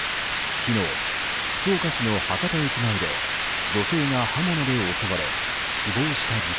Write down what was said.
昨日、福岡市の博多駅前で女性が刃物で襲われ死亡した事件。